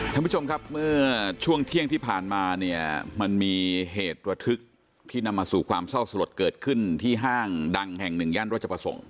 ท่านผู้ชมครับเมื่อช่วงเที่ยงที่ผ่านมาเนี่ยมันมีเหตุระทึกที่นำมาสู่ความเศร้าสลดเกิดขึ้นที่ห้างดังแห่งหนึ่งย่านรัชประสงค์